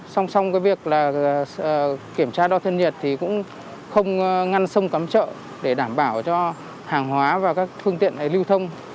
xong xong cái việc là kiểm tra đo thân nhiệt thì cũng không ngăn sông cắm chợ để đảm bảo cho hàng hóa và các phương tiện lưu thông